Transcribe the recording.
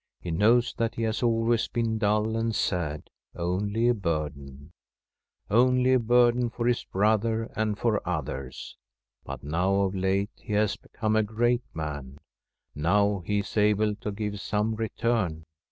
He knows that he has always been dull and sad, only a burden — only a burden for his brother and for others. But now of late he has become a great man ; now he is able to give some return.